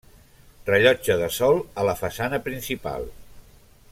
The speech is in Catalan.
Rellotge de sol a la façana principal.